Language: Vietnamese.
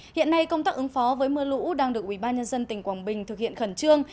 hiện nay công tác ứng phó với mưa lũ đang được ubnd tỉnh quảng bình thực hiện khẩn trương